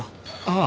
ああ。